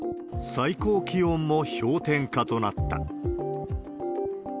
最高気温も氷点下となった。